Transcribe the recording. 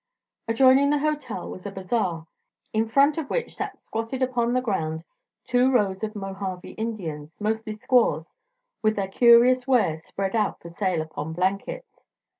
Adjoining the hotel was a bazaar, in front of which sat squatted upon the ground two rows of Mojave Indians, mostly squaws, with their curious wares spread out for sale upon blankets.